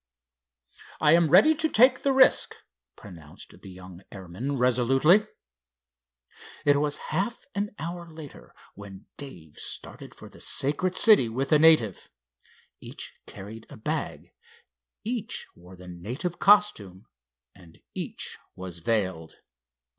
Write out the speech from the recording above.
"I am ready to take the risk," pronounced the young airman, resolutely. It was half an hour later when Dave started for the sacred city with the native. Each carried a bag, each wore the native costume, and each was veiled.